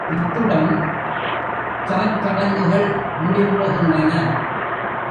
இத்துடன் சாச்சடங்குகள் முடிவுறுகின்றன.